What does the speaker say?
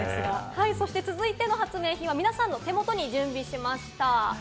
そして続いての発明品は皆さんの手元に準備しました。